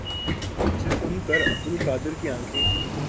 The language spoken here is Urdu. جسے سن کر عبدالقادر کی انکھیں